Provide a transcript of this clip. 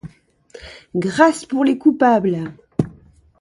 Grâce pour les coupables !